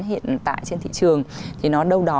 hiện tại trên thị trường thì nó đâu đó